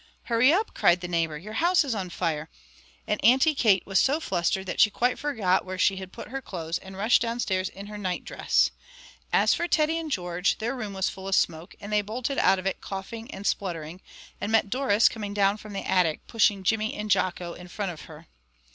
"Hurry up!" cried the neighbour, "your house is on fire!" and Auntie Kate was so flustered that she quite forgot where she had put her clothes, and rushed downstairs in her nightdress. As for Teddy and George, their room was full of smoke, and they bolted out of it, coughing and spluttering, and met Doris coming down from the attic, pushing Jimmy and Jocko in front of her.